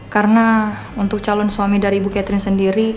karena untuk calon suami dari ibu catherine sendiri